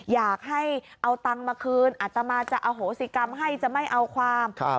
อยากให้เอาตังค์มาคืนอัตมาจะอโหสิกรรมให้จะไม่เอาความ